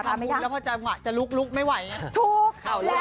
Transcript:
คิดว่าคนนั่งพร้อมพูดแล้วพอจังหวะจะลุกไม่ไหวอย่างนี้